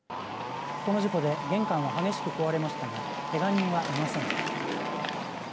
この事故で玄関は激しく壊れましたがけが人はいませんでした。